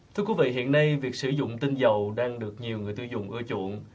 thưa quý vị hiện nay việc sử dụng tinh dầu đang được nhiều người tiêu dùng ưa chuộng